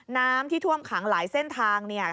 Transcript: น้ำที่ท่วมขังหลายเส้นทางเนี่ย